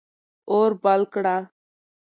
اور بل کړه.